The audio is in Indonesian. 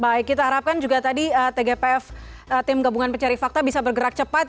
baik kita harapkan juga tadi tgpf tim gabungan pencari fakta bisa bergerak cepat